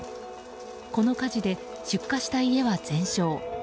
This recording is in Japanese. この火事で出火した家は全焼。